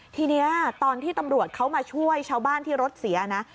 ทีนี้ตอนที่ตำรวจเขามาช่วยชาวบ้านที่รถเสียนะ